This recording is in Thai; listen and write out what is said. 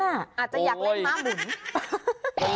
อาจจะอยากเล่นม้าหมุน